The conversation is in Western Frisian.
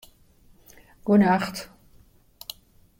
Goenacht